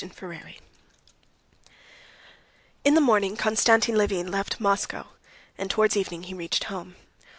Chapter 26 In the morning Konstantin Levin left Moscow, and towards evening he reached home.